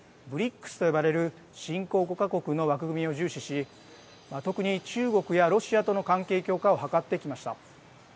ＢＲＩＣＳと呼ばれる新興５か国の枠組みを重視し特に中国やロシアとの関係強化を図ってきました。